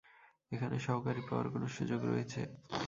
এখানে সহকারী পাওয়ার কোন সুযোগ রয়েছে?